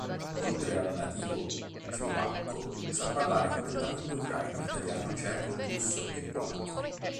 Oltre al nativo slovacco sa parlare correttamente ucraino, italiano, ceco, russo e polacco.